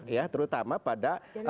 ya terutama pada kubuknya